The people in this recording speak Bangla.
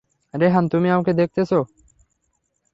রেহান, তুমি আমাকে দেখতেছো?